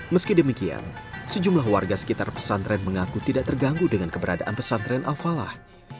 meski demikian sejumlah warga sekitar pesantren mengaku tidak terganggu dengan keberadaan pesantren al falah